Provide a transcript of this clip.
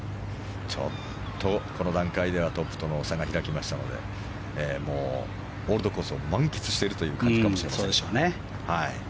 ちょっと、この段階ではトップとの差が開きましたのでオールドコースを満喫している感じかもしれません。